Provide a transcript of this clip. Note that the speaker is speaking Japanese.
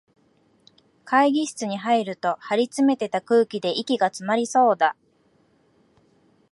会議室に入ると、張りつめた空気で息がつまりそうだ